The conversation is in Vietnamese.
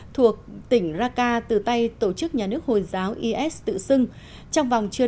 thuộc tỉnh raqqa từ tay tổ chức nhà nước hồi giáo is tự xưng trong vòng chưa đầy ba tuần kể từ khi lực lượng này tiến vào thành trí quan trọng của is